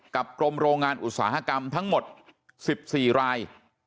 กรมโรงงานอุตสาหกรรมทั้งหมด๑๔ราย